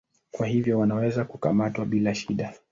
Kwa hivyo wanaweza kukamatwa bila shida.